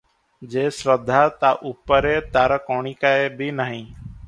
ଯେ ଶ୍ରଦ୍ଧା, ତା ଉପରେ ତାର କଣିକାଏ ବି ନାହିଁ ।